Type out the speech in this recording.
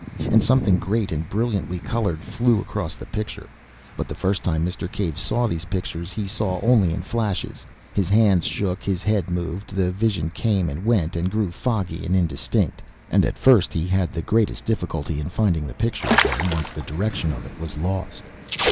And something great and brilliantly coloured flew across the picture. But the first time Mr. Cave saw these pictures he saw only in flashes, his hands shook, his head moved, the vision came and went, and grew foggy and indistinct. And at first he had the greatest difficulty in finding the picture again once the direction of it was lost.